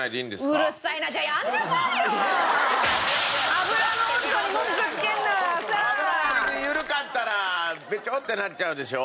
油があれで緩かったらベチョってなっちゃうでしょ。